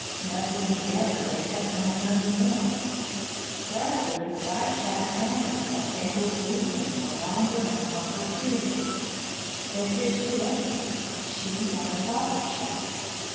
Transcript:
Nestling together, they kept one another warm; gradually Black Shag found herself able to leave them for longer and longer periods. They fished together now, she and the father Shag.